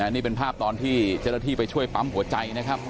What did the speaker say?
นี่เป็นภาพตอนที่เจราถีไปช่วยปั๊มหัวใจ